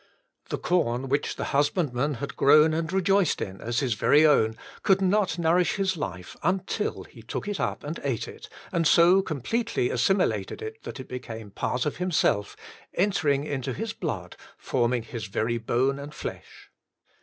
The corn which the husbandman had grown and rejoiced in as his very own, could not nourish his life, until he took it up and ate it, and so completely assimilated it, that it became part of himself, entering into his blood, forming his very bone and flesh.